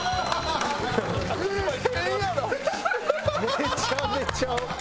めちゃめちゃ。